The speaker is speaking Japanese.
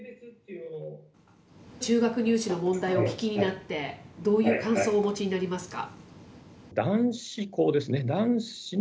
中学入試の問題をお聞きになって、どういう感想をお持ちになりますか。